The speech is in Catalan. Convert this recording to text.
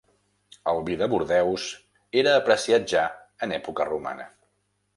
El vi de Bordeus era apreciat ja en època romana.